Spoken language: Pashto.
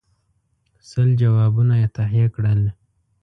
سل جوابونه یې تهیه کړل.